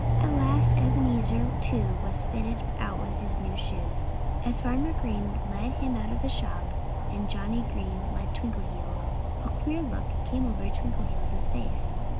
At last Ebenezer too was fitted out with new shoes. As Farmer Green led him out of the shop, and Johnnie Green led Twinkleheels, a queer look came over Twinkleheels' face.